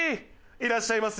いらっしゃいませ。